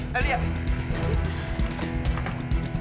perasaan ini kamu orang wanita